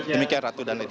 demikian ratu dan nedi